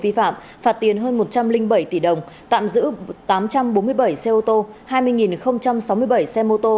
vi phạm phạt tiền hơn một trăm linh bảy tỷ đồng tạm giữ tám trăm bốn mươi bảy xe ô tô hai mươi sáu mươi bảy xe mô tô